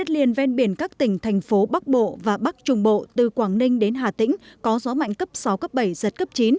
liền ven biển các tỉnh thành phố bắc bộ và bắc trung bộ từ quảng ninh đến hà tĩnh có gió mạnh cấp sáu cấp bảy giật cấp chín